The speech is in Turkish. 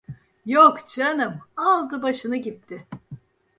Yok canım, aldı başını gitti!